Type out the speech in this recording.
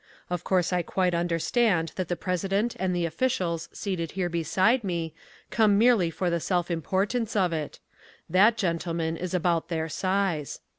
Of course I quite understand that the President and the officials seated here beside me come merely for the self importance of it. That, gentlemen, is about their size.